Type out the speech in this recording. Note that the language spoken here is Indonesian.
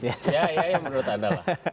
ya ya ya menurut anda lah